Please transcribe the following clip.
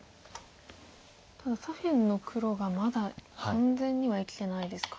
ただ左辺の黒がまだ完全には生きてないですか。